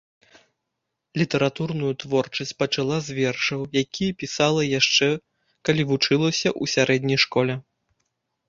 Літаратурную творчасць пачала з вершаў, якія пісала яшчэ калі вучылася ў сярэдняй школе.